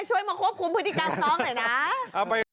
มาควบคุมพฤติกรรมน้องหน่อยนะ